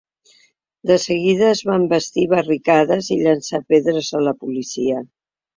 De seguida es van bastir barricades i llançar pedres a la policia.